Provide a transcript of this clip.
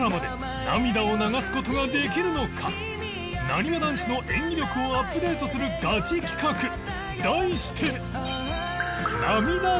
なにわ男子の演技力をアップデートするガチ企画題して